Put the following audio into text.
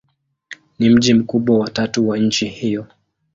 Ni mji mkubwa wa tatu wa nchi hiyo.